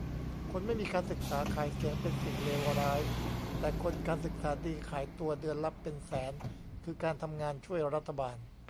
"คนไม่มีการศึกษาขายเสียงเป็นสิ่งเลวร้าย แต่คนการศึกษาดีขายตัวเดือนละเป็นแสนคือการทำงานช่วยรัฐบาล"